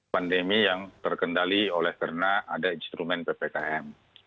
pandemi yang terkendali oleh karena ada instrumen ppkm